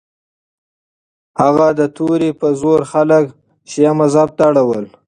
هغه د توري په زور خلک شیعه مذهب ته اړول.